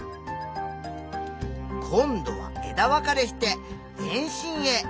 今度は枝分かれして全身へ。